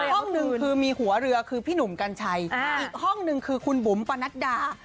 ห้องหนึ่งคือมีหัวเรือคือพี่หนุ่มกัญชัยอีกห้องหนึ่งคือคุณบุ๋มปะนัดดา